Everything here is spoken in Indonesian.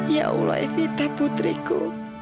ya allah evita putriku